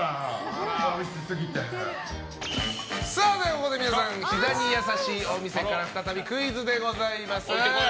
ここで皆さん膝にやさしいお店から再びクイズでございます。